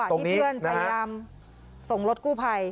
ที่เพื่อนพยายามส่งรถกู้ภัย